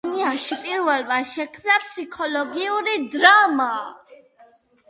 იაპონიაში პირველმა შექმნა ფსიქოლოგიური დრამა.